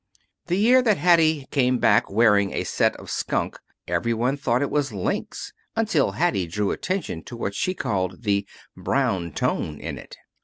The year that Hattie came back wearing a set of skunk everyone thought it was lynx until Hattie drew attention to what she called the "brown tone" in it.